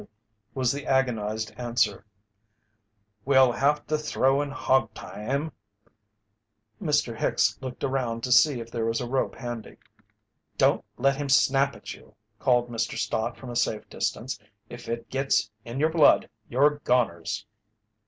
"G ggg gg ough!" was the agonized answer. "We'll have to throw and hog tie him." Mr. Hicks looked around to see if there was a rope handy. "Don't let him snap at you," called Mr. Stott from a safe distance. "If it gets in your blood, you're goners."